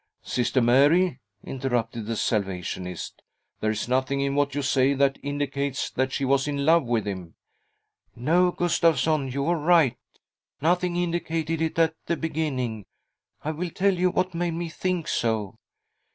"Sister Mary," interrupted the Salvationist, " there is nothing in what you say that indicates that she was in love with him." " No, Gustavsson, you are right ; nothing in dicated it at the beginning. I will tell you what made me think so.